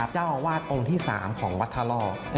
เจ้าวาดองค์ที่๓ของวัดธรรม